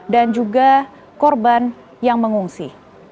dan juga korban yang mengungsi